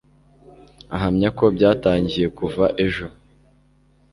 Ahamya ko byatangiye kuva ejo